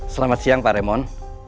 selamat siang pak remon